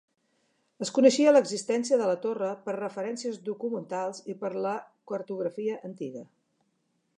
Es coneixia l'existència de la torre per referències documentals i per la cartografia antiga.